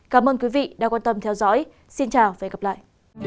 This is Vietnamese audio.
cảm ơn quý vị đã quan tâm theo dõi xin chào và hẹn gặp lại